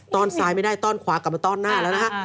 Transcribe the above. ตอนซ้ายไม่ได้ต้อนขวากลับมาต้อนหน้าแล้วนะฮะ